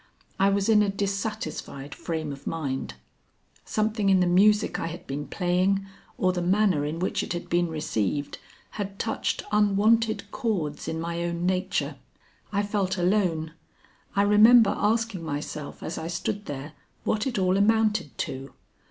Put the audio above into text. I was in a dissatisfied frame of mind. Something in the music I had been playing or the manner in which it had been received had touched unwonted chords in my own nature. I felt alone. I remember asking myself as I stood there, what it all amounted to?